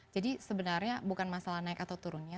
jadi sebenarnya bukan masalah naik atau turun ya